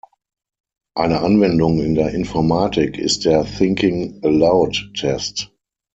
Eine Anwendung in der Informatik ist der Thinking Aloud Test.